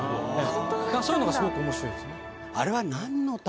そういうのがすごく面白いです。